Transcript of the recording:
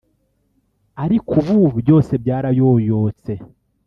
ariko ubu byose byarayoyotse